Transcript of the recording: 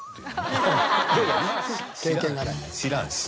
「知らんし」